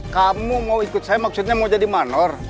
kamu mau ikut saya maksudnya mau jadi manor